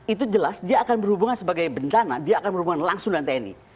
itu jelas dia akan berhubungan sebagai bencana dia akan berhubungan langsung dengan tni